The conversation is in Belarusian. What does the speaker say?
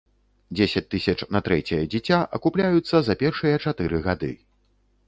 Дзесяць тысяч на трэцяе дзіця акупляюцца за першыя чатыры гады.